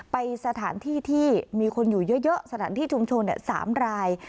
ไปสถานที่ที่มีคนอยู่เยอะสถานที่ชุมชน๓ราย